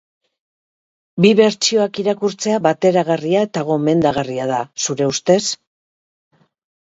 Bi bertsioak irakurtzea bateragarria eta gomendagarria da, zure ustez?